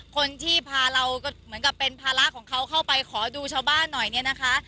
คนที่พาเราเหมือนกับเป็นภาระของเขาเข้าไปขอดูชาวบ้านหน่อยเนี่ยนะคะ